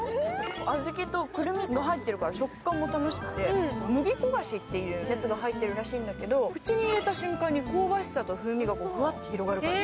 小豆とくるみが入ってるから食感も楽しくて麦こがしというのが入ってるらしいんだけど、口に入れた瞬間にふわって広がる感じ。